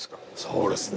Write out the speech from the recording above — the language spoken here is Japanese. そうですね。